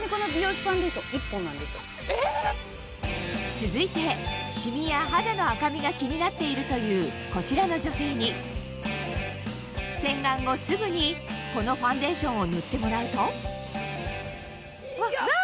続いてシミや肌の赤みが気になっているというこちらの女性に洗顔後すぐにこのファンデーションを塗ってもらうとうわ！